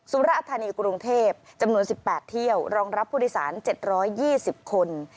สุรธานีกรุงเทพจำนวน๑๘เที่ยวรองรับผู้โดยสาร๗๒๐คน